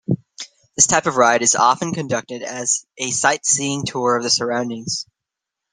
This type of ride is often conducted as a sightseeing tour of the surroundings.